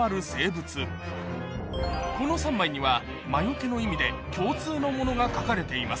この３枚には魔除けの意味で共通のものが描かれています